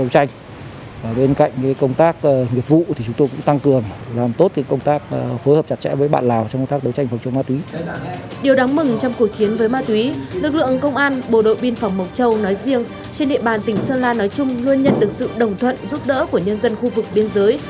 trên địa bàn tỉnh sơn lan nói chung luôn nhận được sự đồng thuận giúp đỡ của nhân dân khu vực biên giới